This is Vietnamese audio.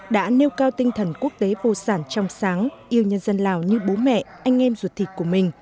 đã nêu cao tinh thần quốc tế vô sản trong sáng yêu nhân dân lào như bố mẹ anh em ruột thịt của mình